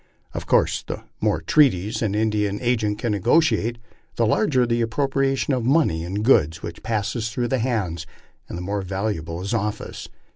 Of course the more treaties an Indian agent can negotiate, the larger the ap propriation of money and goods which passes through his hands, and the more valuable his office.